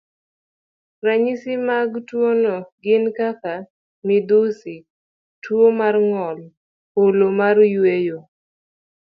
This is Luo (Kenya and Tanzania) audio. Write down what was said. Ranyisi mag tuwono gin kaka midhusi, tuwo mar ng'ol, olo mar yweyo,